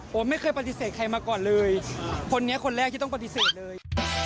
ผมไม่เคยปฏิเสธใครมาก่อนเลยคนนี้คนแรกที่ต้องปฏิเสธเลย